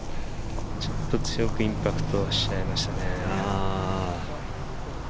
強くインパクトしちゃいましたね。